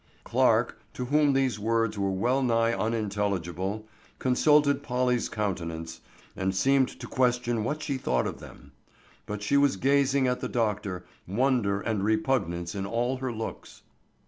Clarke, to whom these words were well nigh unintelligible, consulted Polly's countenance, and seemed to question what she thought of them. But she was gazing at the doctor, wonder and repugnance in all her looks.